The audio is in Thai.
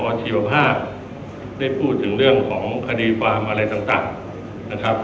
ชีวภาพได้พูดถึงเรื่องของคดีความอะไรต่างนะครับ